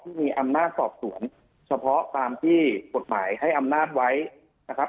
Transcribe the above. ที่มีอำนาจสอบสวนเฉพาะตามที่กฎหมายให้อำนาจไว้นะครับ